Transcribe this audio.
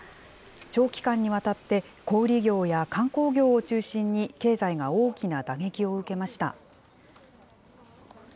長期間にわたって、小売り業や観光業を中心に、経済が大きな打撃を受けました。